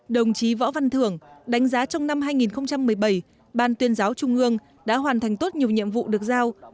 đồng chí võ văn thưởng đánh giá trong năm hai nghìn một mươi bảy ban tuyên giáo trung ương đã hoàn thành tốt nhiều nhiệm vụ được giao